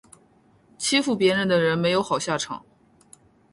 欺负别人的人没有好下场